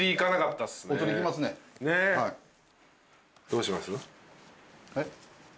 どうします？えっ？